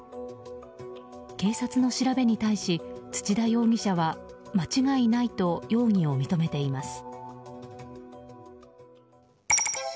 警察の調べに対し土田容疑者は間違いないと容疑を認めています。